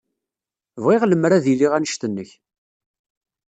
Bɣiɣ lemmer ad iliɣ anect-nnek.